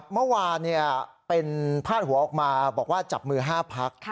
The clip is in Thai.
เมื่อวานเป็นพาดหัวออกมาบอกว่าจับมือ๕พัก